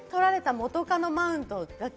元カノマウントね。